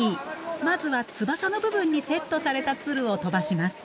まずは翼の部分にセットされた鶴を飛ばします。